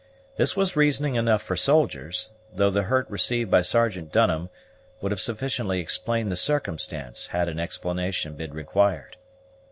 This was reasoning enough for soldiers, though the hurt received by Sergeant Dunham would have sufficiently explained the circumstance had an explanation been required.